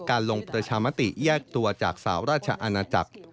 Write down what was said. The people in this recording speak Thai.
ลงประชามติแยกตัวจากสาวราชอาณาจักร